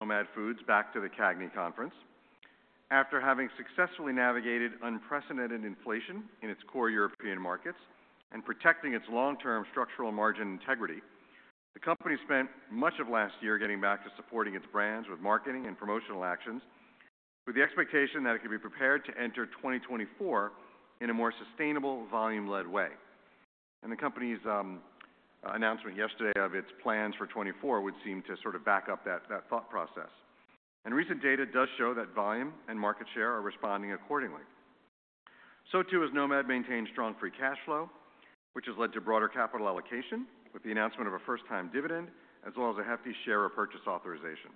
Nomad Foods back to the CAGNY conference. After having successfully navigated unprecedented inflation in its core European markets and protecting its long-term structural margin integrity, the company spent much of last year getting back to supporting its brands with marketing and promotional actions, with the expectation that it could be prepared to enter 2024 in a more sustainable, volume-led way. And the company's announcement yesterday of its plans for 2024 would seem to sort of back up that, that thought process. And recent data does show that volume and market share are responding accordingly. So too, has Nomad maintained strong free cash flow, which has led to broader capital allocation with the announcement of a first-time dividend, as well as a hefty share repurchase authorization.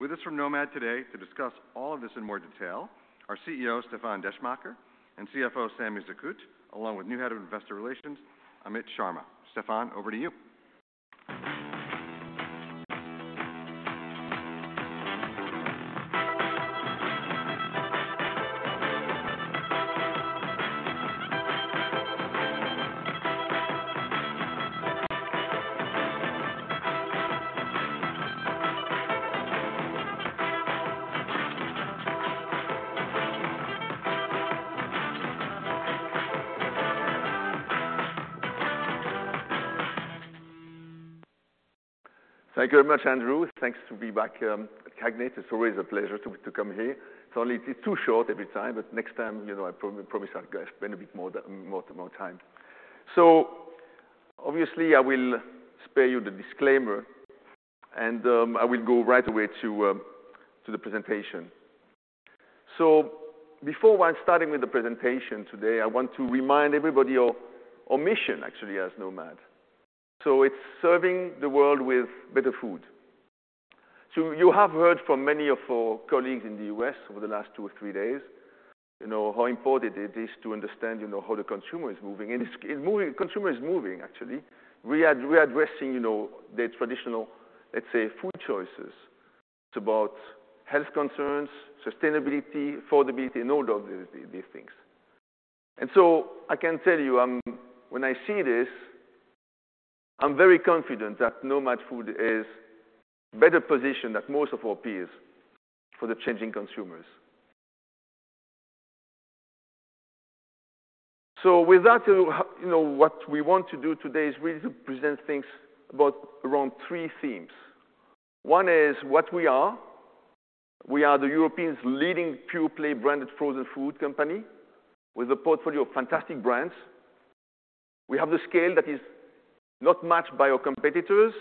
With us from Nomad Foods today to discuss all of this in more detail are CEO, Stéfan Descheemaeker, and CFO, Samy Zekhout, along with new Head of Investor Relations, Amit Sharma. Stéfan, over to you. Thank you very much, Andrew. Thanks to be back at CAGNY. It's always a pleasure to come here. It's only too short every time, but next time, you know, I promise I'll spend a bit more time. So obviously, I will spare you the disclaimer, and I will go right away to the presentation. So before I'm starting with the presentation today, I want to remind everybody of our mission, actually, as Nomad. So it's serving the world with better food. So you have heard from many of our colleagues in the U.S. over the last two or three days, you know, how important it is to understand, you know, how the consumer is moving. And it's moving, consumer is moving, actually. We are addressing, you know, the traditional, let's say, food choices. It's about health concerns, sustainability, affordability, and all of these, these things. And so I can tell you, when I see this, I'm very confident that Nomad Foods is better positioned than most of our peers for the changing consumers. So with that, you know, what we want to do today is really to present things about around three themes. One is what we are. We are Europe's leading pure-play branded frozen food company with a portfolio of fantastic brands. We have the scale that is not matched by our competitors,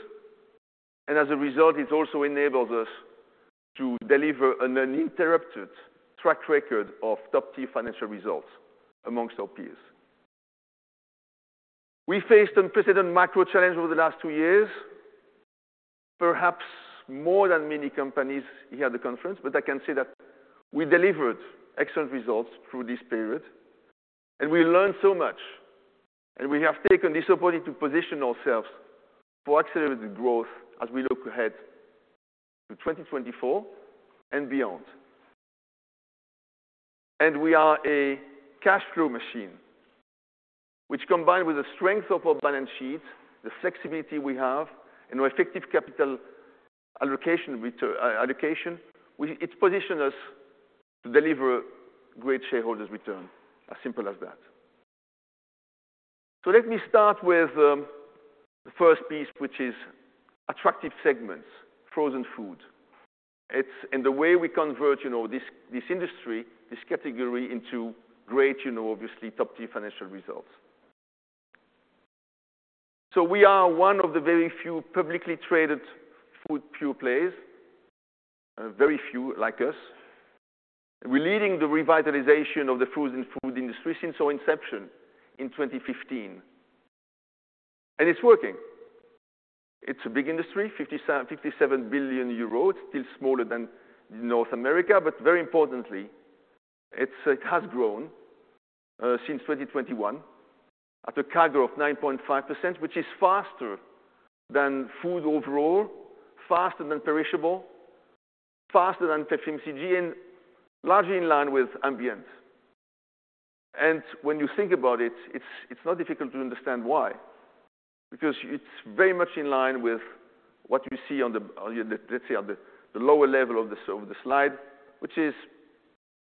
and as a result, it also enables us to deliver an uninterrupted track record of top-tier financial results amongst our peers. We faced unprecedented macro challenges over the last two years, perhaps more than many companies here at the conference, but I can say that we delivered excellent results through this period, and we learned so much. We have taken this opportunity to position ourselves for accelerated growth as we look ahead to 2024 and beyond. We are a cash flow machine, which, combined with the strength of our balance sheet, the flexibility we have, and our effective capital allocation return allocation, it positions us to deliver great shareholders' return. As simple as that. So let me start with the first piece, which is attractive segments, frozen food. It's and the way we convert, you know, this, this industry, this category into great, you know, obviously top-tier financial results. So we are one of the very few publicly traded food pure plays. Very few like us. We're leading the revitalization of the frozen food industry since our inception in 2015, and it's working. It's a big industry, 57 billion euros. It's still smaller than North America, but very importantly, it's, it has grown since 2021 at a CAGR of 9.5%, which is faster than food overall, faster than perishable, faster than FMCG, and largely in line with ambient. When you think about it, it's, it's not difficult to understand why, because it's very much in line with what you see on the, on the, let's say, on the, the lower level of the, of the slide, which is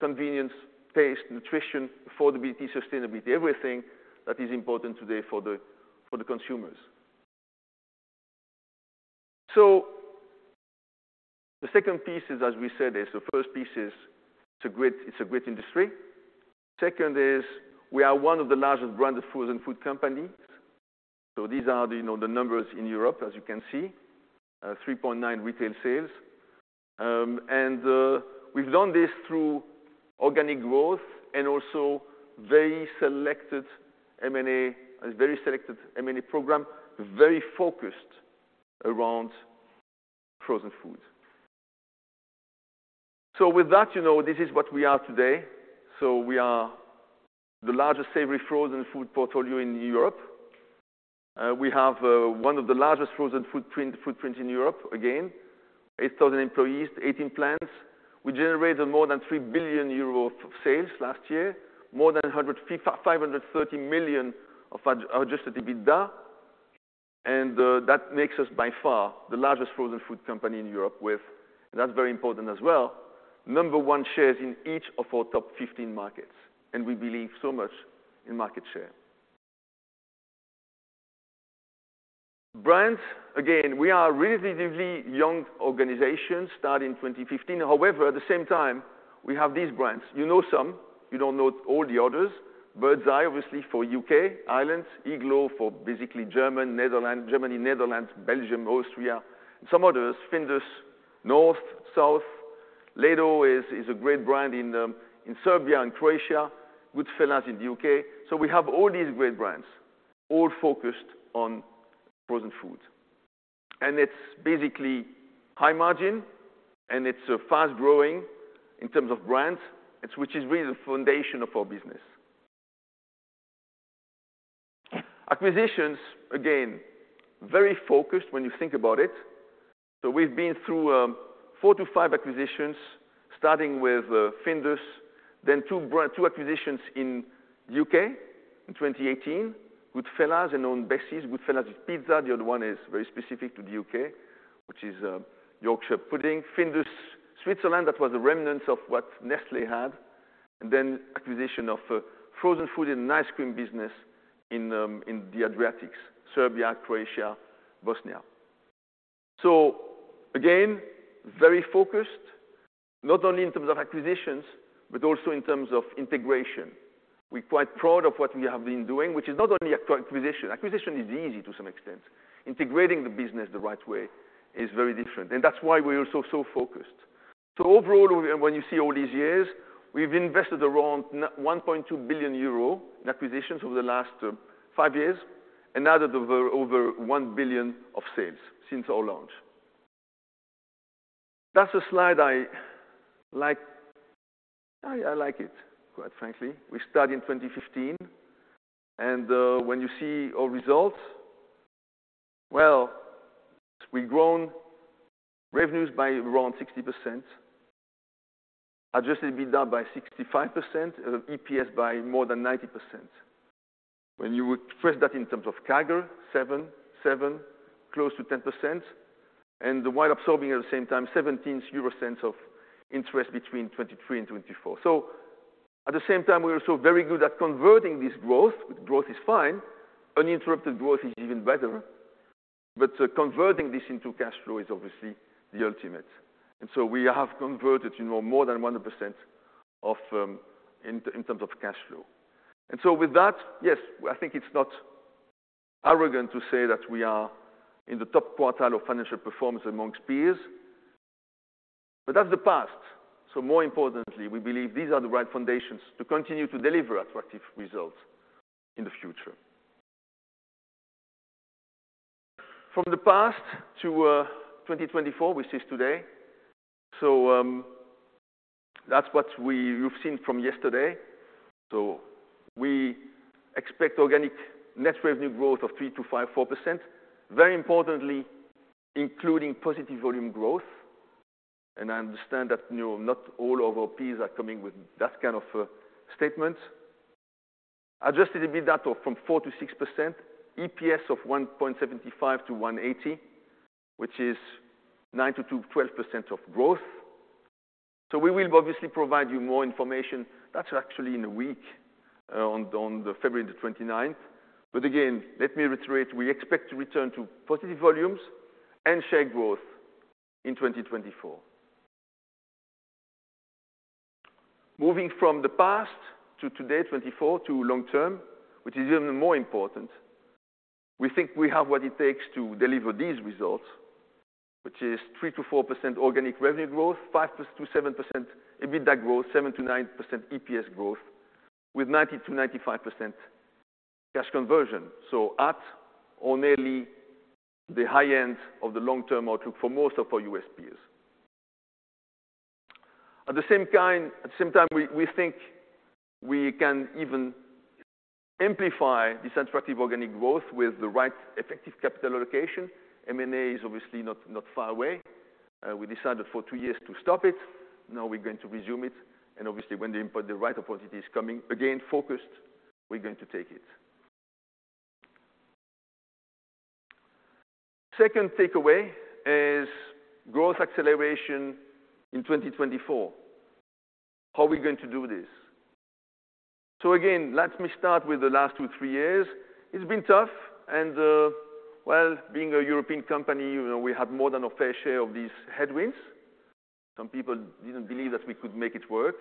convenience, taste, nutrition, affordability, sustainability, everything that is important today for the, for the consumers. So the second piece is, as we said, is the first piece is it's a great, it's a great industry. Second is we are one of the largest branded frozen food companies. So these are the, you know, the numbers in Europe, as you can see, 3.9 retail sales. And we've done this through organic growth and also very selected M&A, a very selected M&A program, very focused around frozen foods. So with that, you know, this is what we are today. So we are the largest savory frozen food portfolio in Europe. We have one of the largest frozen food footprint in Europe, again. 8,000 employees, 18 plants, we generated more than 3 billion euros of sales last year, more than 530 million of Adjusted EBITDA. And that makes us by far the largest frozen food company in Europe, with, and that's very important as well, number one shares in each of our top 15 markets, and we believe so much in market share. Brands, again, we are a relatively young organization, started in 2015. However, at the same time, we have these brands. You know some, you don't know all the others. Birds Eye, obviously, for U.K., Ireland. Iglo for basically Germany, Netherlands, Belgium, Austria, and some others, Findus, North, South. Ledo is a great brand in Serbia and Croatia. Goodfella's in the U.K.. So we have all these great brands, all focused on frozen foods. And it's basically high margin, and it's fast-growing in terms of brands. It's which is really the foundation of our business. Acquisitions, again, very focused when you think about it. So we've been through four to five acquisitions, starting with Findus, then two brand, two acquisitions in the U.K. in 2018, Goodfella's, and Aunt Bessie's. Goodfella's is pizza. The other one is very specific to the U.K., which is Yorkshire pudding. Findus, Switzerland, that was the remnants of what Nestlé had, and then acquisition of frozen food and ice cream business in the Adriatics, Serbia, Croatia, Bosnia. So again, very focused, not only in terms of acquisitions, but also in terms of integration. We're quite proud of what we have been doing, which is not only acquisition. Acquisition is easy to some extent. Integrating the business the right way is very different, and that's why we're also so focused. So overall, when you see all these years, we've invested around 1.2 billion euro in acquisitions over the last five years, and added over 1 billion of sales since our launch. That's a slide I like. I like it, quite frankly. We started in 2015, and when you see our results, well, we've grown revenues by around 60%, Adjusted EBITDA by 65%, and EPS by more than 90%. When you express that in terms of CAGR, 7%, 7%, close to 10%, and while absorbing at the same time 0.17 of interest between 2023 and 2024. So at the same time, we are also very good at converting this growth. Growth is fine. Uninterrupted growth is even better. But converting this into cash flow is obviously the ultimate. And so we have converted, you know, more than 100% of, in, in terms of cash flow. And so with that, yes, I think it's not arrogant to say that we are in the top quartile of financial performance among peers, but that's the past. More importantly, we believe these are the right foundations to continue to deliver attractive results in the future. From the past to 2024, which is today. That's what you've seen from yesterday. We expect organic net revenue growth of 3%-5.4%, very importantly, including positive volume growth. And I understand that, you know, not all of our peers are coming with that kind of statement. Adjusted EBITDA growth of 4%-6%, EPS of EUR 1.75-EUR 1.80, which is 9%-12% growth. We will obviously provide you more information. That's actually in a week, on February the 29th. But again, let me reiterate, we expect to return to positive volumes and share growth in 2024. Moving from the past to today, 2024, to long term, which is even more important. We think we have what it takes to deliver these results, which is 3%-4% organic revenue growth, 5%-7% EBITDA growth, 7%-9% EPS growth, with 90%-95% cash conversion. So at or nearly the high end of the long-term outlook for most of our U.S. peers. At the same time, we think we can even amplify this attractive organic growth with the right effective capital allocation. M&A is obviously not far away. We decided for two years to stop it. Now we're going to resume it, and obviously, when the right opportunity is coming, again, focused, we're going to take it. Second takeaway is growth acceleration in 2024. How are we going to do this? So again, let me start with the last two, three years. It's been tough and, well, being a European company, you know, we have more than our fair share of these headwinds. Some people didn't believe that we could make it work,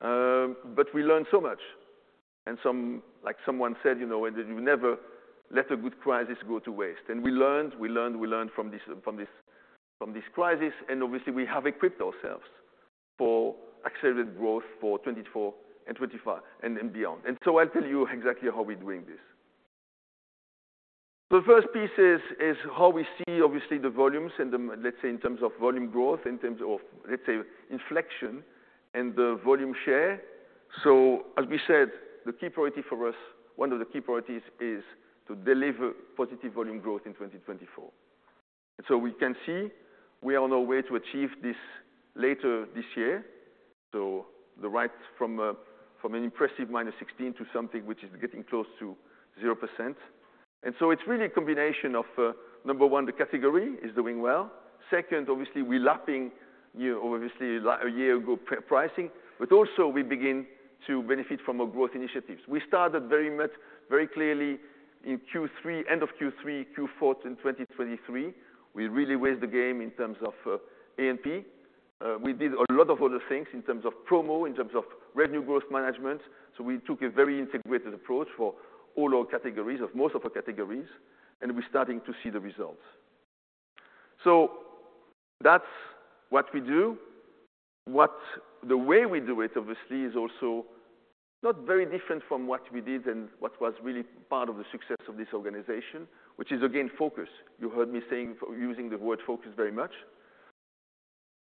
but we learned so much. And some, like someone said, you know, "You never let a good crisis go to waste." And we learned, we learned, we learned from this, from this, from this crisis, and obviously, we have equipped ourselves for accelerated growth for 2024 and 2025, and then beyond. And so I'll tell you exactly how we're doing this. The first piece is how we see, obviously, the volumes and the, let's say, in terms of volume growth, in terms of, let's say, inflection and the volume share. So as we said, the key priority for us, one of the key priorities, is to deliver positive volume growth in 2024. So we can see we are on our way to achieve this later this year. So we're right from an impressive -16% to something which is getting close to 0%. And so it's really a combination of, number one, the category is doing well. Second, obviously, we're lapping, you know, obviously, like a year ago, pricing, but also we begin to benefit from our growth initiatives. We started very much, very clearly in Q3, end of Q3, Q4 in 2023. We really raised the game in terms of, A&P. We did a lot of other things in terms of promo, in terms of revenue growth management. So we took a very integrated approach for all our categories, of most of our categories, and we're starting to see the results. So that's what we do. The way we do it, obviously, is also not very different from what we did and what was really part of the success of this organization, which is, again, focus. You heard me saying, using the word focus very much.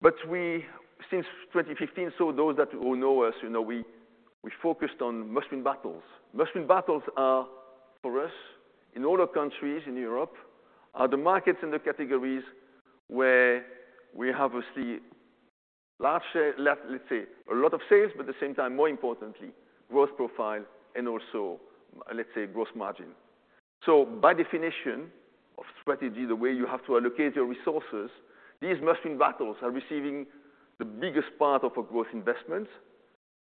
But we, since 2015, so those who know us, you know, we, we focused on Must-Win Battles. Must-Win Battles are, for us, in all our countries in Europe, are the markets and the categories where we have, obviously, large share, let's say, a lot of sales, but at the same time, more importantly, growth profile and also, let's say, gross margin. By definition of strategy, the way you have to allocate your resources, these must-win battles are receiving the biggest part of our growth investment.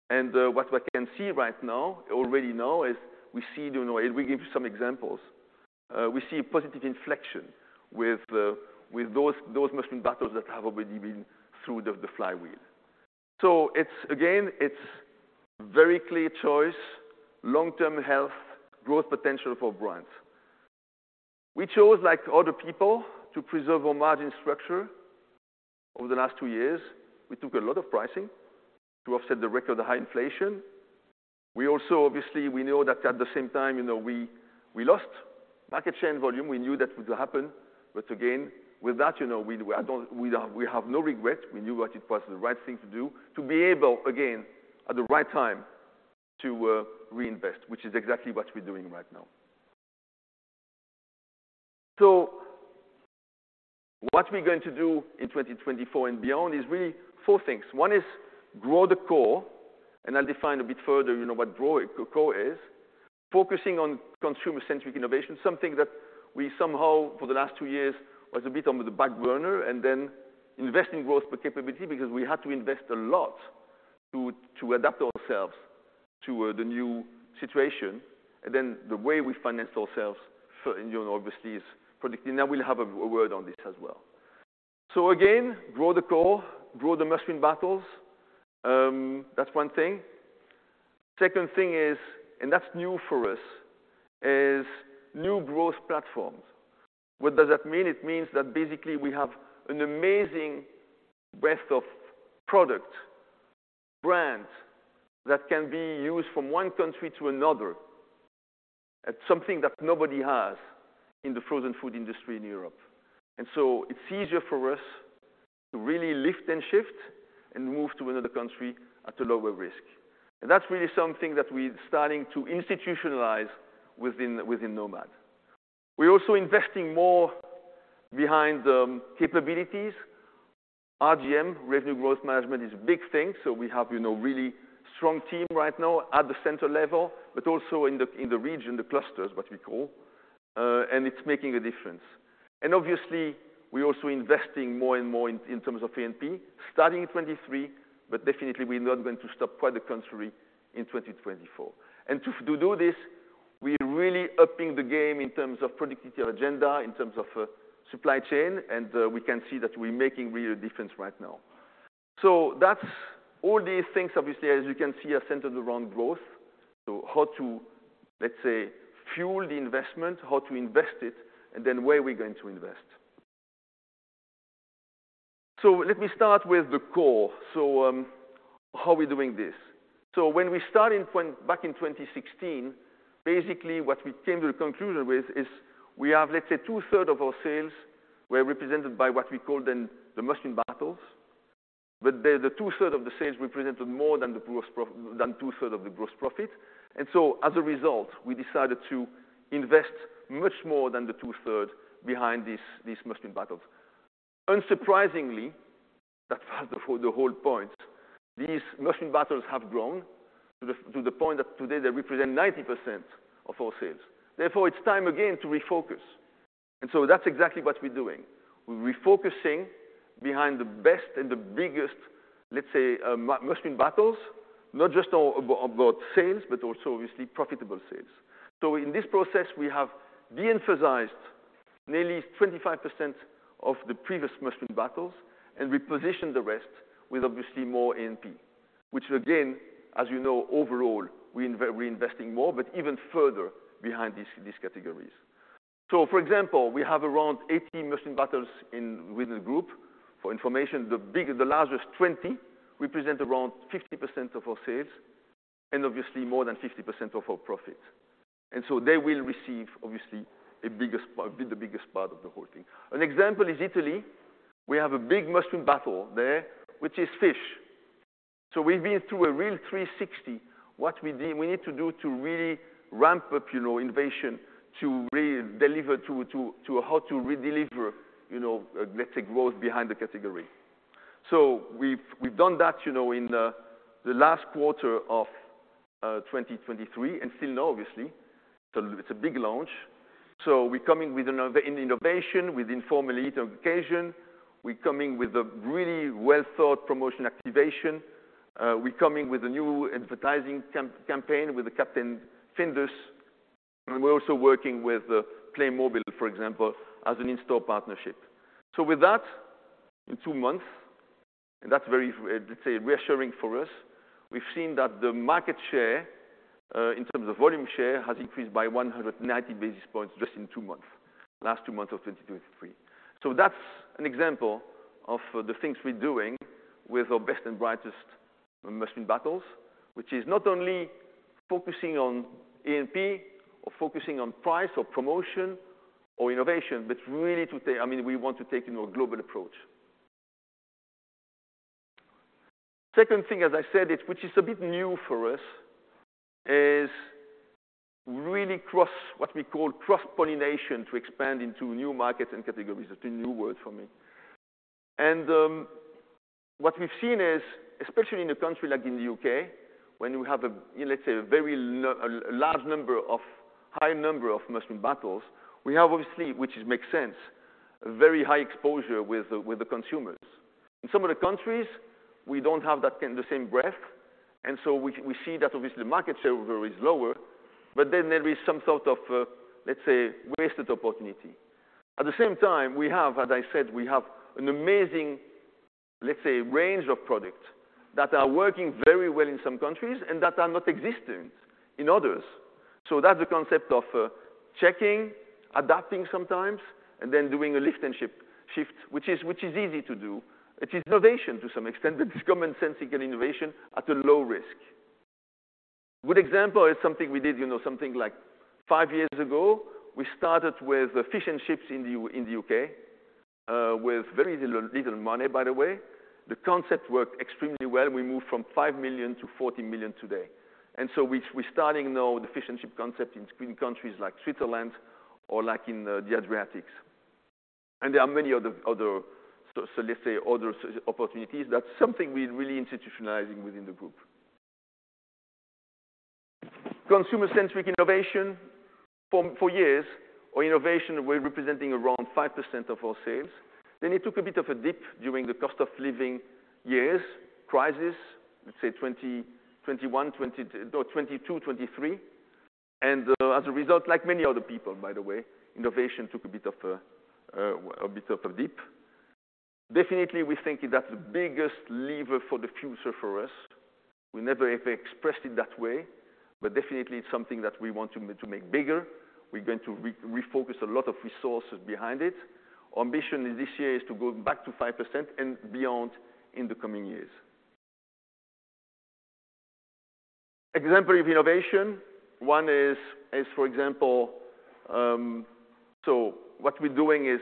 What we can see right now, already now, is we see, you know. We give you some examples. We see a positive inflection with those must-win battles that have already been through the flywheel. So it's, again, it's very clear choice, long-term health, growth potential for brands. We chose, like other people, to preserve our margin structure. Over the last two years, we took a lot of pricing to offset the record of the high inflation. We also, obviously, we know that at the same time, you know, we lost market share and volume. We knew that would happen, but again, with that, you know, we have no regret. We knew what it was the right thing to do, to be able, again, at the right time, to reinvest, which is exactly what we're doing right now. So what we're going to do in 2024 and beyond is really four things. One is grow the core, and I'll define a bit further, you know, what grow the core is. Focusing on consumer-centric innovation, something that we somehow, for the last two years, was a bit on the back burner, and then investing growth for capability because we had to invest a lot to adapt ourselves to the new situation. And then the way we financed ourselves for, you know, obviously, is pricing. Now, we'll have a word on this as well. So again, grow the core, grow the Must-Win Battles. That's one thing. Second thing is, and that's new for us, is new growth platforms. What does that mean? It means that basically we have an amazing breadth of product, brands, that can be used from one country to another. That's something that nobody has in the frozen food industry in Europe. And so it's easier for us to really lift and shift and move to another country at a lower risk. And that's really something that we're starting to institutionalize within, within Nomad. We're also investing more behind the capabilities. RGM, Revenue Growth Management, is a big thing, so we have, you know, really strong team right now at the center level, but also in the region, the clusters, what we call, and it's making a difference. And obviously, we're also investing more and more in, in terms of A&P, starting in 2023, but definitely we're not going to stop, quite the contrary, in 2024. And to, to do this, we're really upping the game in terms of productivity agenda, in terms of, supply chain, and, we can see that we're making real difference right now. So that's all these things, obviously, as you can see, are centered around growth. So how to, let's say, fuel the investment, how to invest it, and then where we're going to invest. So let me start with the core. So, how we're doing this? So when we started, back in 2016, basically what we came to the conclusion with is we have, let's say 2/3 of our sales were represented by what we call then the must-win battles. But the 2/3 of the sales represented more than 2/3 of the gross profit. And so as a result, we decided to invest much more than 2/3 behind these must-win battles. Unsurprisingly, that was the whole point, these must-win battles have grown to the point that today they represent 90% of our sales. Therefore, it's time again to refocus, and so that's exactly what we're doing. We're refocusing behind the best and the biggest, let's say, must-win battles, not just on sales, but also obviously profitable sales. So in this process, we have de-emphasized nearly 25% of the previous must-win battles and repositioned the rest with obviously more A&P. Which again, as you know, overall, we're investing more, but even further behind these categories. So for example, we have around 80 must-win battles within the group. For information, the largest 20 represent around 50% of our sales and obviously more than 50% of our profit. So they will receive, obviously, a biggest part, be the biggest part of the whole thing. An example is Italy. We have a big must-win battle there, which is fish. So we've been through a real 360, what we need, we need to do to really ramp up, you know, innovation, to redeliver to how to redeliver, you know, let's say, growth behind the category. So we've done that, you know, in the last quarter of 2023, and still now, obviously, it's a big launch. So we're coming with an innovation, with informal eat occasion. We're coming with a really well-thought promotion activation. We're coming with a new advertising campaign with the Captain Findus, and we're also working with Playmobil, for example, as an in-store partnership. So with that, in two months, and that's very, let's say, reassuring for us, we've seen that the market share in terms of volume share has increased by 190 basis points just in two months, last two months of 2023. So that's an example of the things we're doing with our must-win battles, which is not only focusing on A&P or focusing on price or promotion or innovation, but really to take, I mean, we want to take, you know, a global approach. Second thing, as I said, it, which is a bit new for us, is really cross, what we call cross-pollination, to expand into new markets and categories. It's a new word for me. What we've seen is, especially in a country like the U.K., when you have a, let's say, a very high number of must-win battles, we have, obviously, which makes sense, very high exposure with the consumers. In some of the countries, we don't have that same breadth, and so we see that obviously the market share is lower, but then there is some sort of, let's say, wasted opportunity. At the same time, as I said, we have an amazing, let's say, range of products that are working very well in some countries and that are not existent in others. So that's the concept of tweaking, adapting sometimes, and then doing a lift and shift, which is easy to do. It is innovation to some extent, but it's common sense and innovation at a low risk. Good example is something we did, you know, something like five years ago. We started with fish and chips in the U.K. with very little money, by the way. The concept worked extremely well, and we moved from 5 million to 14 million today. So we're starting now the fish and chip concept in countries like Switzerland or like in the Adriatics. And there are many other opportunities. That's something we're really institutionalizing within the group. Consumer-centric innovation. For years, our innovation were representing around 5% of our sales. Then it took a bit of a dip during the cost of living crisis, let's say 2021, no, 2022, 2023. As a result, like many other people, by the way, innovation took a bit of a dip. Definitely, we think that's the biggest lever for the future for us. We never ever expressed it that way, but definitely it's something that we want to make bigger. We're going to re-refocus a lot of resources behind it. Our ambition in this year is to go back to 5% and beyond in the coming years. Example of innovation. One is, for example, so what we're doing is,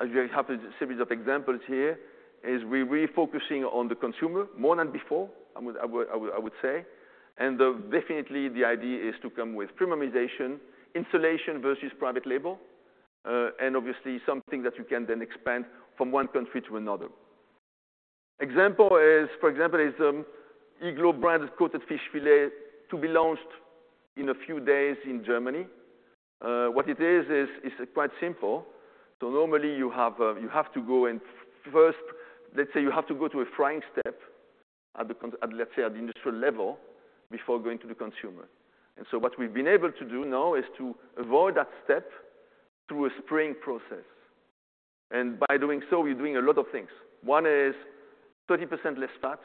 as you have a series of examples here, is we're refocusing on the consumer more than before, I would say. And definitely, the idea is to come with premiumization, innovation versus private label, and obviously something that you can then expand from one country to another. For example, Iglo brand Coated Fish Fillet to be launched in a few days in Germany. What it is is quite simple. So normally you have to go and first, let's say, to a frying step at the industrial level before going to the consumer. And so what we've been able to do now is to avoid that step through a spraying process. And by doing so, we're doing a lot of things. One is 30% less fat,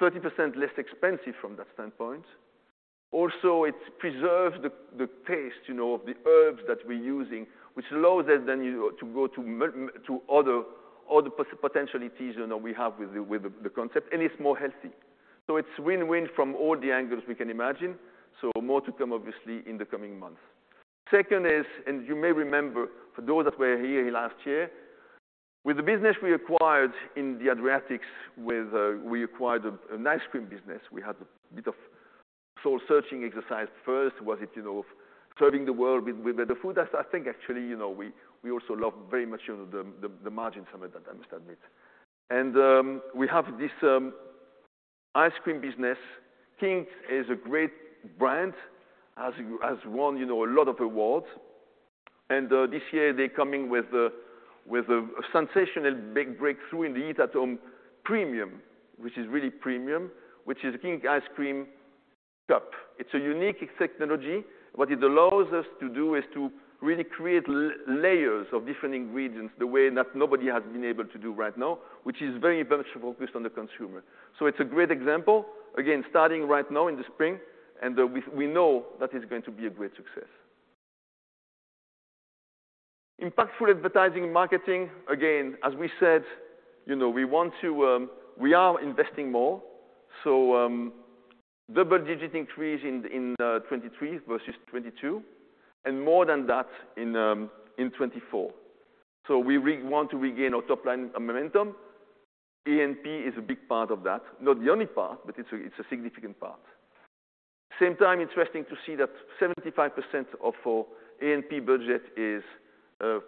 30% less expensive from that standpoint. Also, it preserves the taste, you know, of the herbs that we're using, which allows us then to go to other potentialities, you know, we have with the concept, and it's more healthy. So it's win-win from all the angles we can imagine. So more to come, obviously, in the coming months. Second is, and you may remember, for those that were here last year, with the business we acquired in the Adriatics, with, we acquired an ice cream business. We had a bit of soul-searching exercise first. Was it, you know, serving the world with, with better food? That's, I think, actually, you know, we, we also love very much, you know, the, the, the margin from it, I must admit. And, we have this, ice cream business. King is a great brand, has, has won, you know, a lot of awards. And, this year, they're coming with a, with a sensational big breakthrough in the Eat at Home premium, which is really premium, which is King Ice Cream Cup. It's a unique technology. What it allows us to do is to really create layers of different ingredients, the way that nobody has been able to do right now, which is very much focused on the consumer. So it's a great example, again, starting right now in the spring, and we know that it's going to be a great success. Impactful advertising and marketing. Again, as we said, you know, we want to, we are investing more. So double-digit increase in 2023 versus 2022, and more than that in 2024. So we want to regain our top line momentum. A&P is a big part of that, not the only part, but it's a significant part. Same time, interesting to see that 75% of our A&P budget is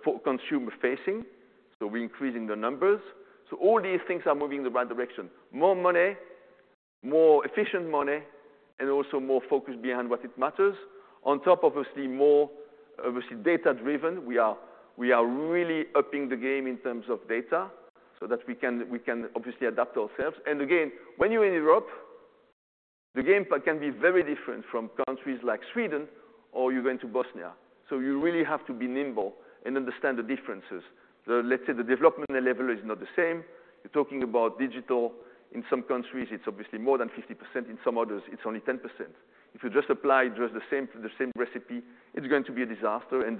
for consumer facing, so we're increasing the numbers. So all these things are moving in the right direction. More money, more efficient money, and also more focus behind what it matters. On top, obviously, more, obviously, data driven. We are, we are really upping the game in terms of data so that we can, we can obviously adapt ourselves. And again, when you're in Europe, the game part can be very different from countries like Sweden or you're going to Bosnia. So you really have to be nimble and understand the differences. The, let's say, the developmental level is not the same. You're talking about digital. In some countries, it's obviously more than 50%, in some others, it's only 10%. If you just apply just the same, the same recipe, it's going to be a disaster, and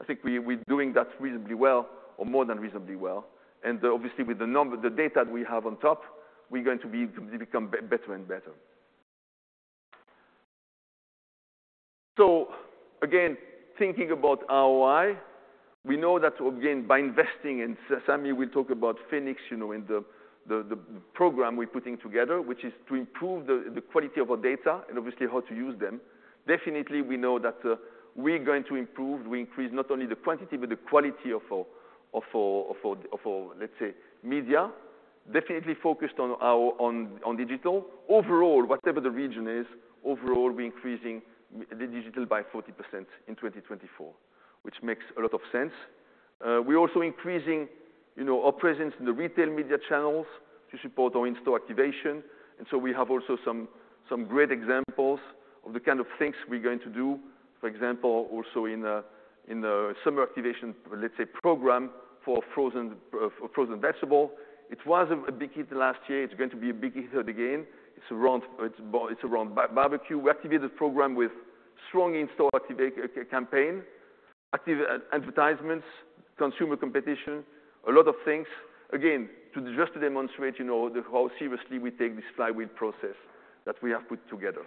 I think we, we're doing that reasonably well or more than reasonably well. Obviously, with the number, the data we have on top, we're going to become better and better. So again, thinking about ROI, we know that again, by investing in systems, we talk about Phoenix, you know, and the program we're putting together, which is to improve the quality of our data and obviously how to use them. Definitely, we know that we're going to improve. We increase not only the quantity, but the quality of our media. Definitely focused on digital. Overall, whatever the region is, overall, we're increasing the digital by 40% in 2024, which makes a lot of sense. We're also increasing, you know, our presence in the retail media channels to support our in-store activation. So we have also some great examples of the kind of things we're going to do. For example, also in a summer activation, let's say, program for frozen vegetable. It was a big hit last year. It's going to be a big hit again. It's around barbecue. We activate the program with strong in-store activation campaign, active advertisements, consumer competition, a lot of things. Again, to just demonstrate, you know, the how seriously we take this flywheel process that we have put together.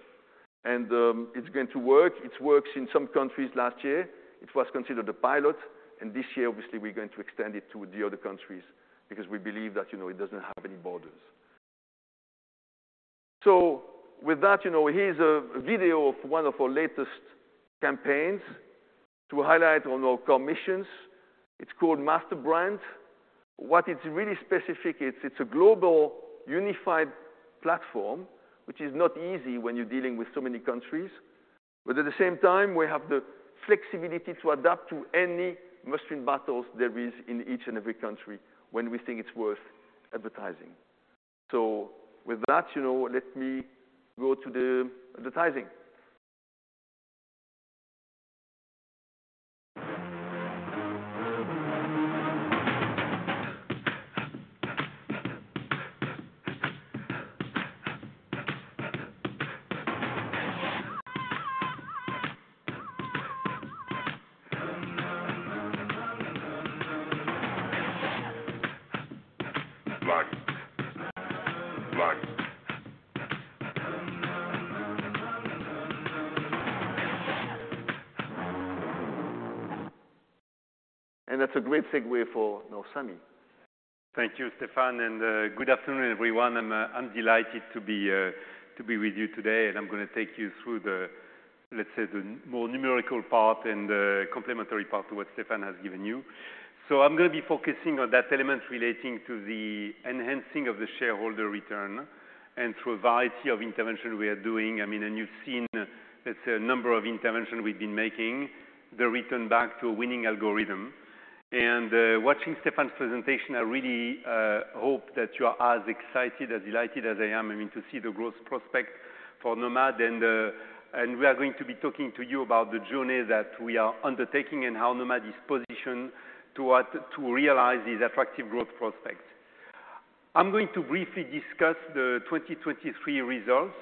And it's going to work. It works in some countries last year. It was considered a pilot, and this year, obviously, we're going to extend it to the other countries because we believe that, you know, it doesn't have any borders. So with that, you know, here's a video of one of our latest campaigns to highlight one of our campaigns. It's called Master Brand. What it's really specific, it's a global unified platform, which is not easy when you're dealing with so many countries, but at the same time, we have the flexibility to adapt to any must-win battles there is in each and every country when we think it's worth advertising. So with that, you know, let me go to the advertising. And that's a great segue for Samy. Thank you, Stéfan, and good afternoon, everyone. I'm delighted to be with you today, and I'm gonna take you through the, let's say, the more numerical part and complementary part to what Stéfan has given you. So I'm gonna be focusing on that element relating to the enhancing of the shareholder return and through a variety of intervention we are doing. I mean, and you've seen, let's say, a number of intervention we've been making, the return back to a winning algorithm. And watching Stéfan's presentation, I really hope that you are as excited, as delighted as I am, I mean, to see the growth prospect for Nomad. And we are going to be talking to you about the journey that we are undertaking and how Nomad is positioned to realize these attractive growth prospects. I'm going to briefly discuss the 2023 results,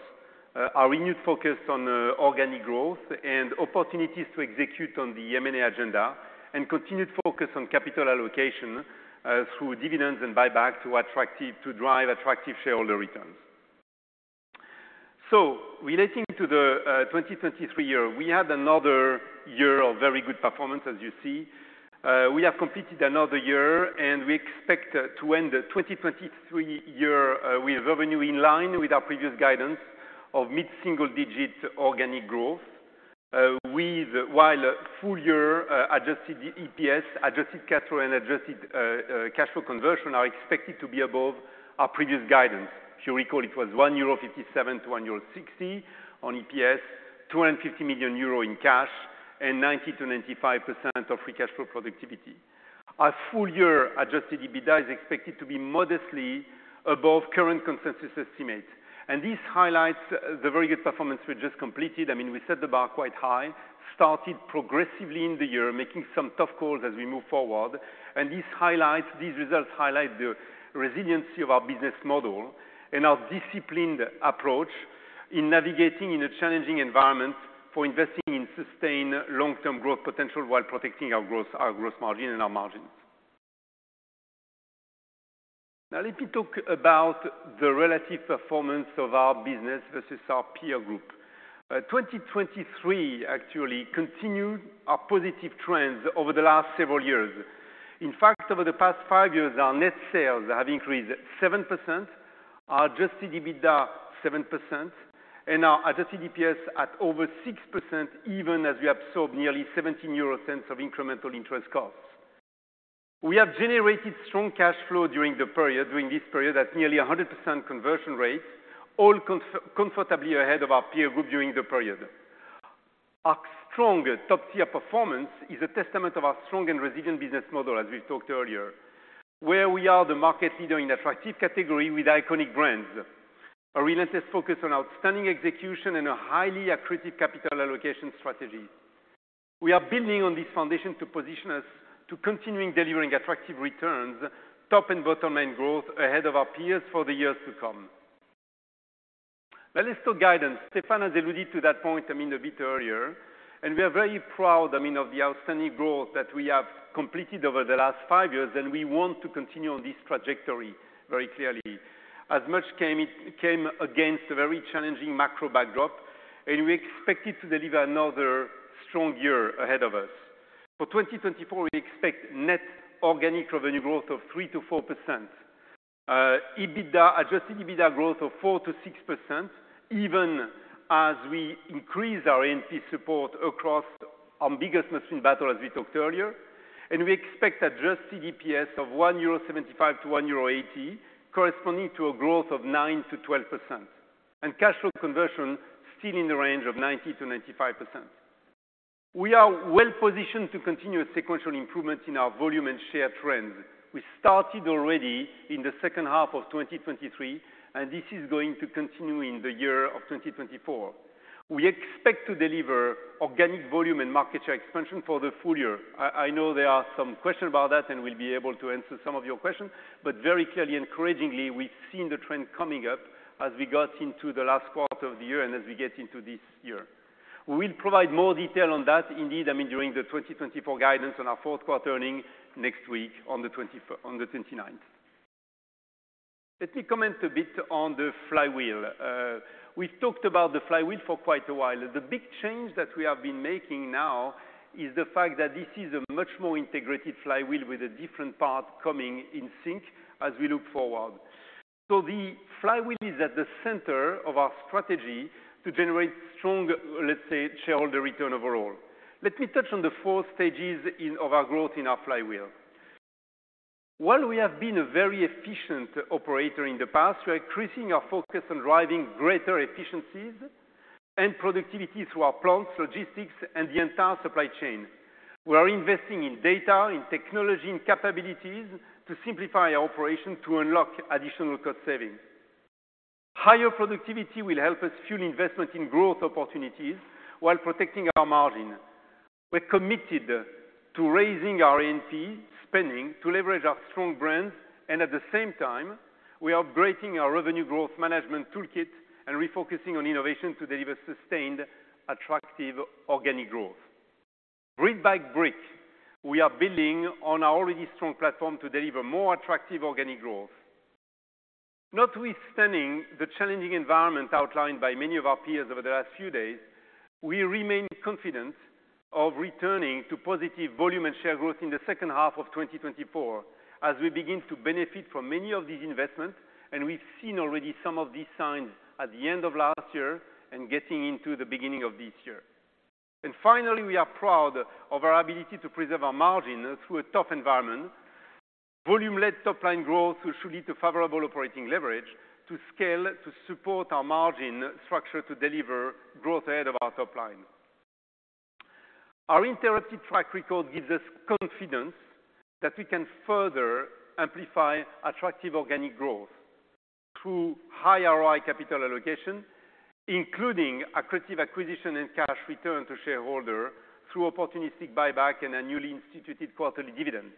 our renewed focus on organic growth and opportunities to execute on the M&A agenda, and continued focus on capital allocation through dividends and buybacks to drive attractive shareholder returns. So relating to the 2023 year, we had another year of very good performance, as you see. We have completed another year, and we expect to end the 2023 year with revenue in line with our previous guidance of mid-single-digit organic growth. While full-year adjusted EPS, adjusted cash flow and adjusted cash flow conversion are expected to be above our previous guidance. If you recall, it was 1.57-1.60 euro on EPS, 250 million euro in cash, and 90%-95% of free cash flow productivity. Our full-year Adjusted EBITDA is expected to be modestly above current consensus estimates. This highlights the very good performance we just completed. I mean, we set the bar quite high, started progressively in the year, making some tough calls as we move forward. This highlights—these results highlight the resiliency of our business model and our disciplined approach in navigating in a challenging environment for investing in sustained long-term growth potential while protecting our growth, our gross margin and our margins. Now let me talk about the relative performance of our business versus our peer group. 2023 actually continued our positive trends over the last several years. In fact, over the past five years, our net sales have increased 7%, our Adjusted EBITDA 7%, and our adjusted EPS at over 6%, even as we absorbed nearly 0.17 of incremental interest costs. We have generated strong cash flow during the period, during this period, at nearly 100% conversion rate, all comfortably ahead of our peer group during the period. Our strong top-tier performance is a testament of our strong and resilient business model, as we talked earlier, where we are the market leader in attractive category with iconic brands, a relentless focus on outstanding execution and a highly accretive capital allocation strategy. We are building on this foundation to position us to continuing delivering attractive returns, top and bottom line growth ahead of our peers for the years to come. Now, let's talk guidance. Stéfan has alluded to that point, I mean, a bit earlier, and we are very proud, I mean, of the outstanding growth that we have completed over the last five years, and we want to continue on this trajectory very clearly. As much came, it came against a very challenging macro backdrop, and we expected to deliver another strong year ahead of us. For 2024, we expect net organic revenue growth of 3%-4%, EBITDA, Adjusted EBITDA growth of 4%-6%, even as we increase our A&P support across our biggest must-win battle, as we talked earlier. And we expect adjusted EPS of 1.75-1.80 euro, corresponding to a growth of 9%-12%, and cash flow conversion still in the range of 90%-95%. We are well positioned to continue a sequential improvement in our volume and share trend. We started already in the second half of 2023, and this is going to continue in the year of 2024. We expect to deliver organic volume and market share expansion for the full-year. I know there are some questions about that, and we'll be able to answer some of your questions, but very clearly and encouragingly, we've seen the trend coming up as we got into the last quarter of the year and as we get into this year. We will provide more detail on that, indeed, I mean, during the 2024 guidance on our fourth quarter earnings next week on the 29th. Let me comment a bit on the flywheel. We've talked about the flywheel for quite a while. The big change that we have been making now is the fact that this is a much more integrated flywheel with a different part coming in sync as we look forward. So the flywheel is at the center of our strategy to generate strong, let's say, shareholder return overall. Let me touch on the four stages of our growth in our flywheel. While we have been a very efficient operator in the past, we are increasing our focus on driving greater efficiencies and productivity through our plants, logistics, and the entire supply chain. We are investing in data, in technology, in capabilities to simplify our operation to unlock additional cost savings. Higher productivity will help us fuel investment in growth opportunities while protecting our margin. We're committed to raising our A&P spending to leverage our strong brands, and at the same time, we are upgrading our revenue growth management toolkit and refocusing on innovation to deliver sustained, attractive organic growth. Brick by brick, we are building on our already strong platform to deliver more attractive organic growth. Notwithstanding the challenging environment outlined by many of our peers over the last few days, we remain confident of returning to positive volume and share growth in the second half of 2024 as we begin to benefit from many of these investments, and we've seen already some of these signs at the end of last year and getting into the beginning of this year. Finally, we are proud of our ability to preserve our margin through a tough environment. Volume-led top line growth should lead to favorable operating leverage to scale, to support our margin structure to deliver growth ahead of our top line. Our uninterrupted track record gives us confidence that we can further amplify attractive organic growth through high ROI capital allocation, including accretive acquisition and cash return to shareholder through opportunistic buyback and a newly instituted quarterly dividend.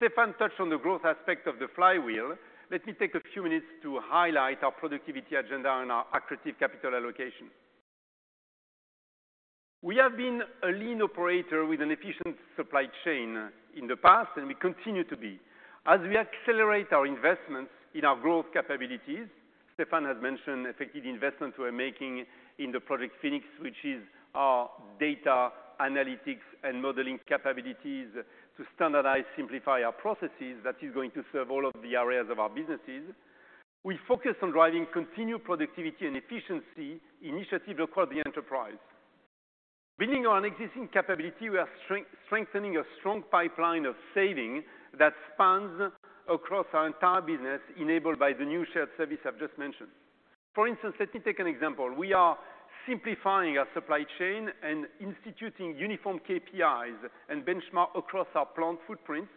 Stéfan touched on the growth aspect of the flywheel. Let me take a few minutes to highlight our productivity agenda and our accretive capital allocation. We have been a lean operator with an efficient supply chain in the past, and we continue to be. As we accelerate our investments in our growth capabilities, Stéfan has mentioned effective investment we're making in the Project Phoenix, which is our data analytics and modeling capabilities to standardize, simplify our processes. That is going to serve all of the areas of our businesses. We focus on driving continued productivity and efficiency initiatives across the enterprise. Building on existing capability, we are strengthening a strong pipeline of savings that spans across our entire business, enabled by the new shared service I've just mentioned. For instance, let me take an example. We are simplifying our supply chain and instituting uniform KPIs and benchmarks across our plant footprints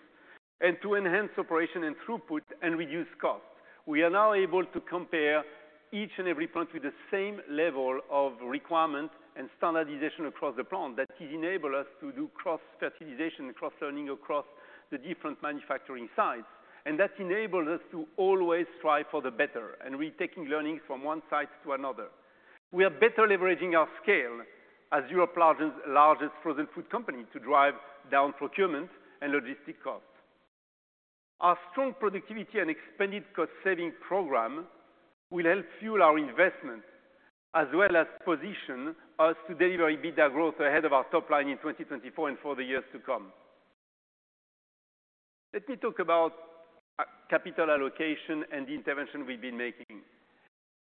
to enhance operations and throughput and reduce costs. We are now able to compare each and every plant with the same level of requirements and standardization across the plants. That will enable us to do cross-fertilization and cross-learning across the different manufacturing sites, and that enables us to always strive for the better and retaking learnings from one site to another. We are better leveraging our scale as Europe's largest frozen food company to drive down procurement and logistics costs. Our strong productivity and expanded cost-saving program will help fuel our investments, as well as position us to deliver EBITDA growth ahead of our top line in 2024 and for the years to come. Let me talk about capital allocation and the investments we've been making.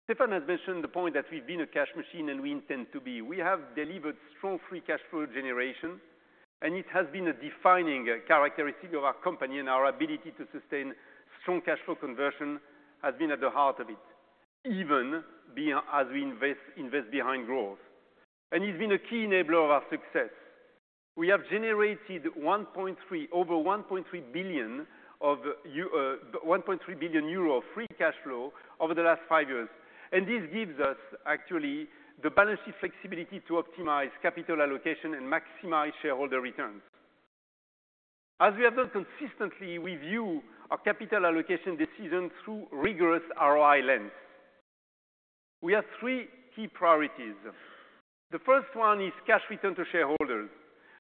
Stéfan has mentioned the point that we've been a cash machine, and we intend to be. We have delivered strong free cash flow generation, and it has been a defining characteristic of our company, and our ability to sustain strong cash flow conversion has been at the heart of it, even as we invest behind growth. And it's been a key enabler of our success. We have generated 1.3 billion of free cash flow over the last five years, and this gives us actually the balance sheet flexibility to optimize capital allocation and maximize shareholder returns. As we have done consistently, we view our capital allocation decision through rigorous ROI lens. We have three key priorities. The first one is cash return to shareholders.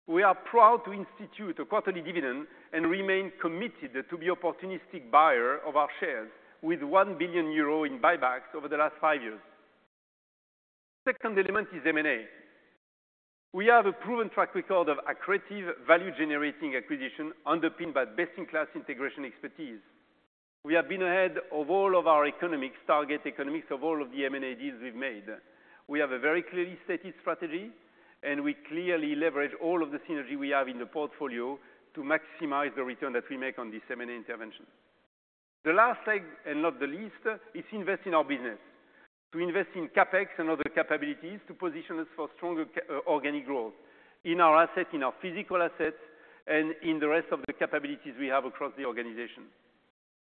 We are proud to institute a quarterly dividend and remain committed to be opportunistic buyer of our shares, with 1 billion euro in buybacks over the last five years. Second element is M&A. We have a proven track record of accretive, value-generating acquisition, underpinned by best-in-class integration expertise. We have been ahead of all of our economics, target economics, of all of the M&A deals we've made. We have a very clearly stated strategy, and we clearly leverage all of the synergy we have in the portfolio to maximize the return that we make on these M&A interventions. The last leg, and not the least, is invest in our business. To invest in CapEx and other capabilities to position us for stronger organic growth in our assets, in our physical assets, and in the rest of the capabilities we have across the organization.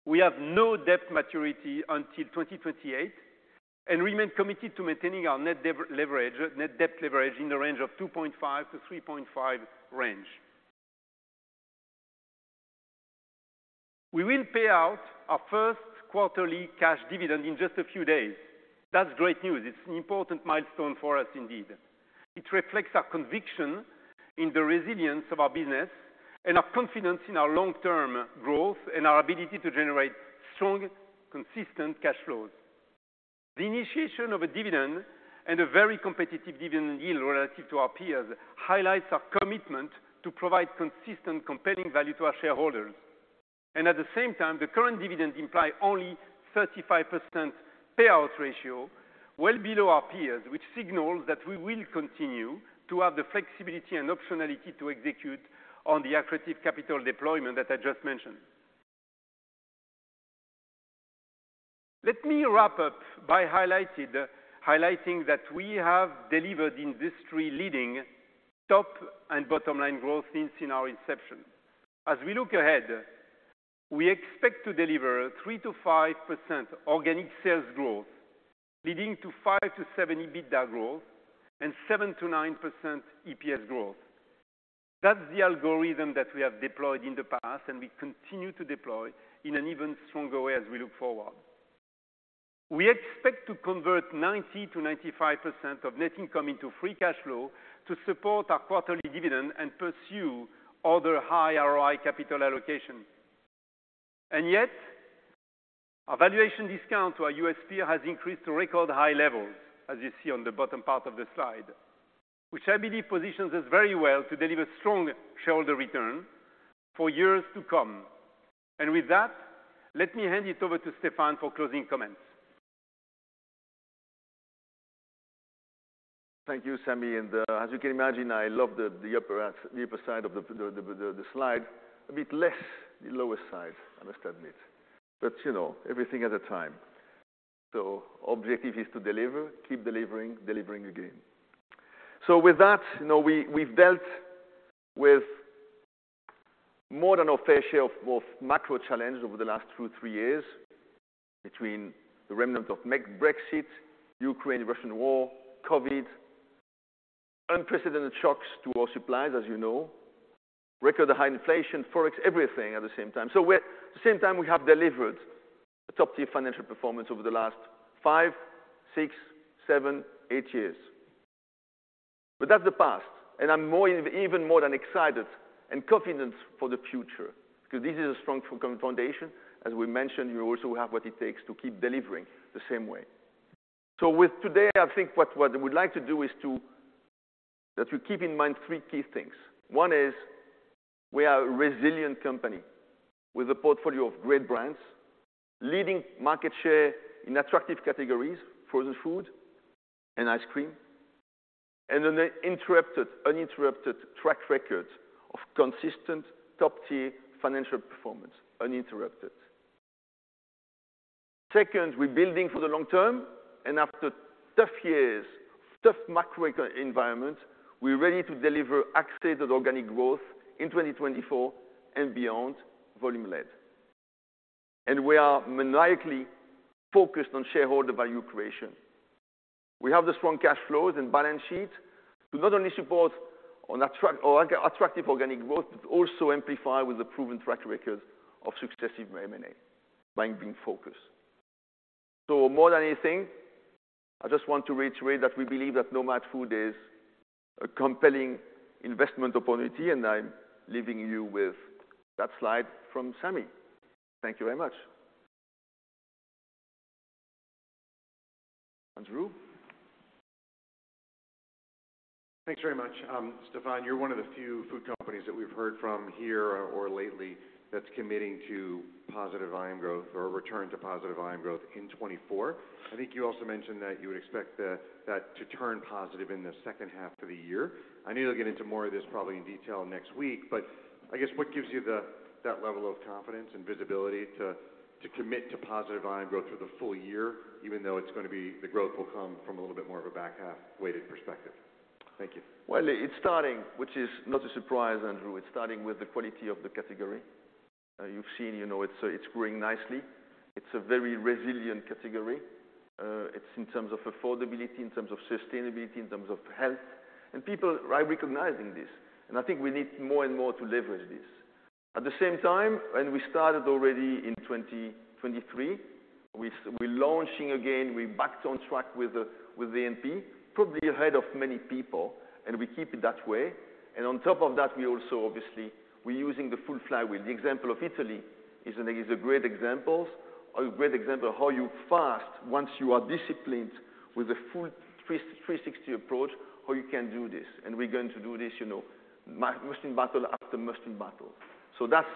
We have no debt maturity until 2028 and remain committed to maintaining our net lever-leverage, net debt leverage in the range of 2.5-3.5 range. We will pay out our first quarterly cash dividend in just a few days. That's great news. It's an important milestone for us indeed. It reflects our conviction in the resilience of our business and our confidence in our long-term growth and our ability to generate strong, consistent cash flows. The initiation of a dividend and a very competitive dividend yield relative to our peers highlights our commitment to provide consistent, compelling value to our shareholders. And at the same time, the current dividend imply only 35% payout ratio, well below our peers, which signals that we will continue to have the flexibility and optionality to execute on the accretive capital deployment that I just mentioned. Let me wrap up by highlighting that we have delivered industry-leading top and bottom line growth since our inception. As we look ahead, we expect to deliver 3%-5% organic sales growth, leading to 5%-7% EBITDA growth and 7%-9% EPS growth. That's the algorithm that we have deployed in the past, and we continue to deploy in an even stronger way as we look forward. We expect to convert 90%-95% of net income into free cash flow to support our quarterly dividend and pursue other high ROI capital allocation. And yet, our valuation discount to our U.S. peer has increased to record high levels, as you see on the bottom part of the slide, which I believe positions us very well to deliver strong shareholder return for years to come. With that, let me hand it over to Stéfan for closing comments. Thank you, Samy. As you can imagine, I love the upper side of the slide. A bit less, the lower side, I must admit, but you know, everything at a time. Objective is to deliver, keep delivering, delivering again. With that, you know, we've dealt with more than our fair share of both macro challenges over the last two to three years, between the remnants of mega Brexit, Ukraine, Russia war, COVID, unprecedented shocks to our supplies, as you know, record-high inflation, Forex, everything at the same time. At the same time, we have delivered a top-tier financial performance over the last five to eight years. But that's the past, and I'm even more excited and confident for the future, because this is a strong foundation. As we mentioned, we also have what it takes to keep delivering the same way. So today, I think what I would like to do is that you keep in mind three key things. One is, we are a resilient company with a portfolio of great brands, leading market share in attractive categories, frozen food and ice cream, and an uninterrupted, uninterrupted track record of consistent, top-tier financial performance, uninterrupted. Second, we're building for the long term, and after tough years, tough macroeconomic environment, we're ready to deliver accelerated organic growth in 2024 and beyond, volume-led. And we are maniacally focused on shareholder value creation. We have the strong cash flows and balance sheet to not only support an attractive organic growth, but also amplify with a proven track record of successive M&A. Mind being focused. More than anything, I just want to reiterate that we believe that Nomad Foods is a compelling investment opportunity, and I'm leaving you with that slide from Samy. Thank you very much. Andrew? Thanks very much. Stéfan, you're one of the few food companies that we've heard from here or lately, that's committing to positive volume growth or a return to positive volume growth in 2024. I think you also mentioned that you would expect the, that to turn positive in the second half of the year. I know you'll get into more of this probably in detail next week, but I guess what gives you the, that level of confidence and visibility to, to commit to positive volume growth through the full-year, even though it's going to be, the growth will come from a little bit more of a back half weighted perspective? Thank you. Well, it's starting, which is not a surprise, Andrew. It's starting with the quality of the category. You've seen, you know, it's growing nicely. It's a very resilient category. It's in terms of affordability, in terms of sustainability, in terms of health, and people are recognizing this, and I think we need more and more to leverage this. At the same time, we started already in 2023, we're launching again, we're back on track with the A&P, probably ahead of many people, and we keep it that way. On top of that, we also obviously, we're using the full flywheel. The example of Italy is a great example of how fast, once you are disciplined with the full 360 approach, how you can do this. And we're going to do this, you know, must-win battle after must-win battle. So that's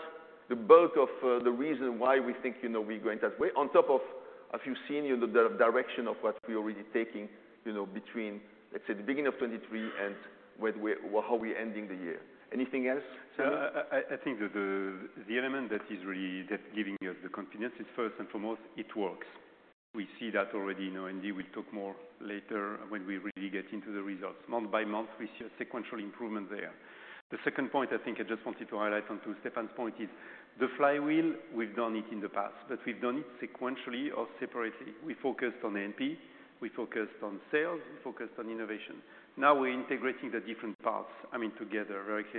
the bulk of the reason why we think, you know, we're going that way. On top of, as you've seen in the direction of what we're already taking, you know, between, let's say, the beginning of 2023 and where we're, how we're ending the year. Anything else, Samy? I think that the element that is really, that's giving us the confidence is first and foremost, it works. We see that already, you know, and we will talk more later when we really get into the results. Month by month, we see a sequential improvement there. The second point, I think I just wanted to highlight on to Stéfan's point is, the flywheel, we've done it in the past, but we've done it sequentially or separately. We focused on A&P, we focused on sales, we focused on innovation. Now we're integrating the different parts, I mean, together.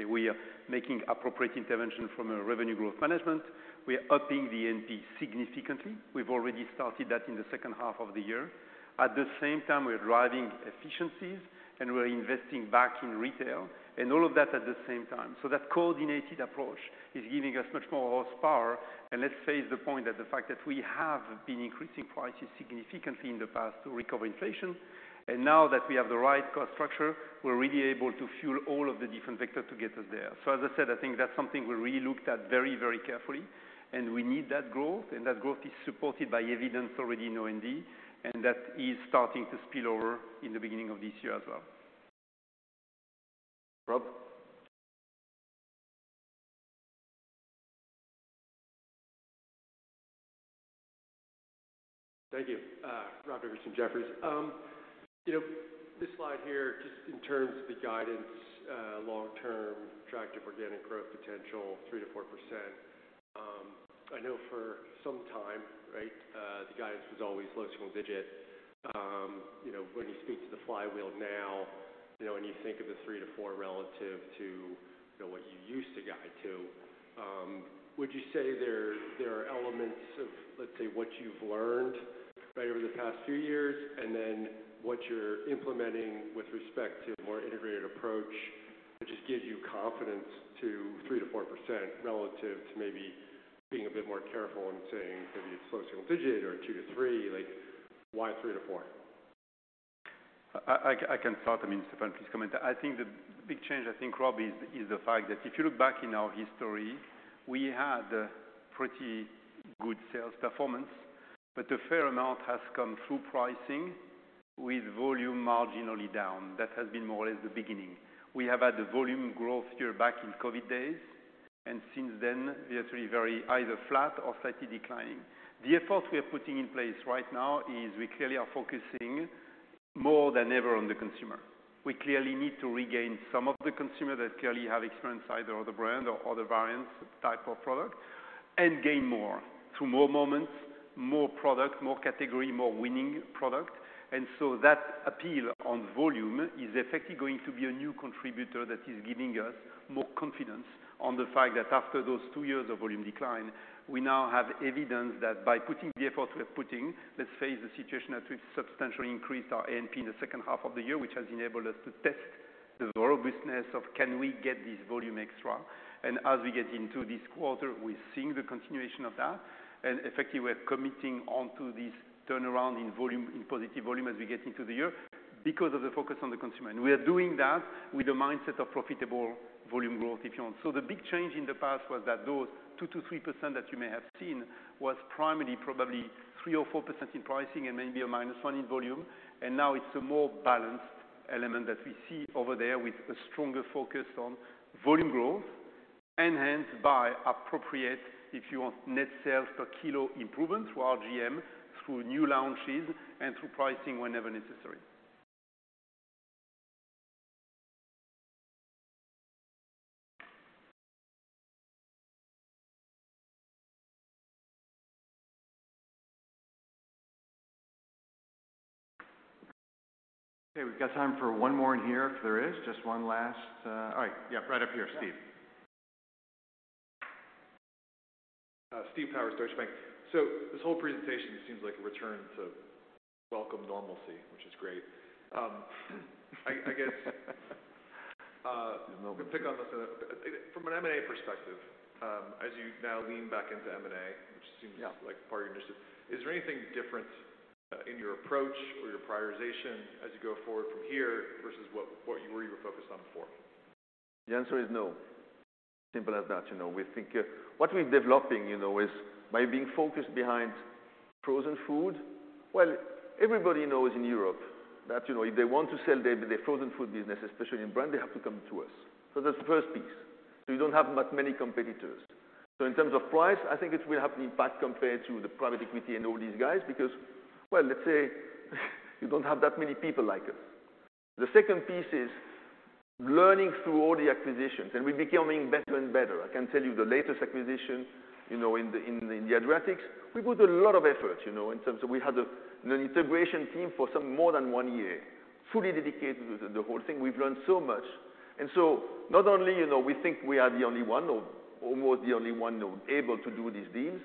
We are making appropriate intervention from a revenue growth management. We are upping the A&P significantly. We've already started that in the second half of the year. At the same time, we're driving efficiencies and we're investing back in retail and all of that at the same time. So that coordinated approach is giving us much more horsepower. Let's face the point that the fact that we have been increasing prices significantly in the past to recover inflation, and now that we have the right cost structure, we're really able to fuel all of the different vectors to get us there. As I said, I think that's something we really looked at very, very carefully, and we need that growth, and that growth is supported by evidence already in OND, and that is starting to spill over in the beginning of this year as well. Rob? Thank you. Rob Dickerson, Jefferies. You know, this slide here, just in terms of the guidance, long-term attractive organic growth potential, 3%-4%. I know for some time, right, the guidance was always low single-digit. You know, when you speak to the flywheel now, you know, when you think of the 3%-4% relative to, you know, what you used to guide to, would you say there, there are elements of, let's say, what you've learned right, over the past few years, and then what you're implementing with respect to a more integrated approach, which has gave you confidence to 3%-4% relative to maybe being a bit more careful in saying maybe it's low single-digit or 2%-3%? Like, why 3%-4%? I can start, I mean, Stéfan, please comment. I think the big change, I think, Rob, is the fact that if you look back in our history, we had a pretty good sales performance, but a fair amount has come through pricing with volume marginally down. That has been more or less the beginning. We have had the volume growth here back in COVID days, and since then, we are actually very either flat or slightly declining. The effort we are putting in place right now is we clearly are focusing more than ever on the consumer. We clearly need to regain some of the consumer that clearly have experienced either other brand or other variants, type of product, and gain more through more moments, more product, more category, more winning product. And so that appeal on volume is effectively going to be a new contributor that is giving us more confidence on the fact that after those two years of volume decline, we now have evidence that by putting the effort we are putting, let's say the situation has substantially increased our A&P in the second half of the year, which has enabled us to test the robustness of can we get this volume extra? And as we get into this quarter, we're seeing the continuation of that, and effectively, we're committing on to this turnaround in volume, in positive volume as we get into the year because of the focus on the consumer. And we are doing that with a mindset of profitable volume growth, if you want. So the big change in the past was that those 2%-3% that you may have seen was primarily probably 3%-4% in pricing and maybe a -1% in volume. And now it's a more balanced element that we see over there with a stronger focus on volume growth, enhanced by appropriate, if you want, net sales per kilo improvement through RGM, through new launches, and through pricing whenever necessary. ... Okay, we've got time for one more in here, if there is. Just one last. All right, yeah, right up here, Steve. Steve Powers, Deutsche Bank. So this whole presentation seems like a return to welcome normalcy, which is great. I guess pick up on this. From an M&A perspective, as you now lean back into M&A, which seems- Yeah. Like, part of your interest, is there anything different in your approach or your prioritization as you go forward from here versus what, what you were focused on before? The answer is no. Simple as that, you know. We think what we're developing, you know, is by being focused behind frozen food. Well, everybody knows in Europe that, you know, if they want to sell their, their frozen food business, especially in brand, they have to come to us. So that's the first piece. So we don't have that many competitors. So in terms of price, I think it will have an impact compared to the private equity and all these guys, because, well, let's say, you don't have that many people like us. The second piece is learning through all the acquisitions, and we're becoming better and better. I can tell you the latest acquisition, you know, in the Adriatics, we put a lot of effort, you know, in terms of we had an integration team for some more than one year, fully dedicated to the whole thing. We've learned so much. And so not only, you know, we think we are the only one or almost the only one now able to do these deals.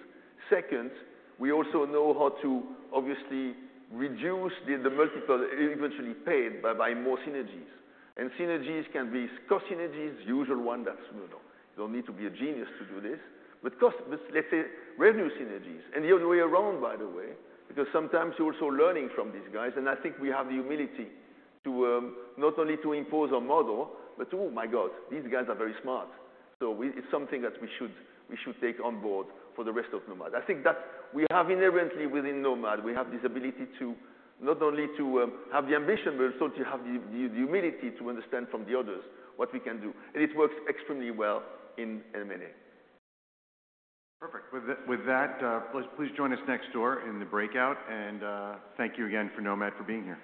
Second, we also know how to obviously reduce the multiple eventually paid by buying more synergies. And synergies can be cost synergies, usual one that's, you know, you don't need to be a genius to do this. But cost, but let's say, revenue synergies, and the other way around, by the way, because sometimes you're also learning from these guys, and I think we have the humility to not only to impose our model, but, oh my God, these guys are very smart. So we—it's something that we should, we should take on board for the rest of Nomad. I think that we have inherently within Nomad, we have this ability to not only to have the ambition, but also to have the humility to understand from the others what we can do. And it works extremely well in M&A. Perfect. With that, please join us next door in the breakout. Thank you again for Nomad for being here.